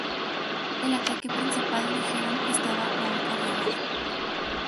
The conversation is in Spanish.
El ataque principal, dijeron, estaba aún por llegar.